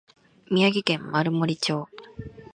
宮城県丸森町